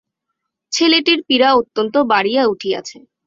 ছেলেটির পীড়া অত্যন্ত বাড়িয়া উঠিয়াছে।